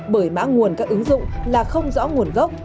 bởi mã nguồn các ứng dụng là không rõ nguồn gốc